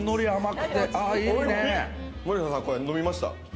森田さんこれ飲みました？